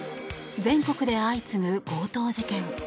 全国で相次ぐ強盗事件。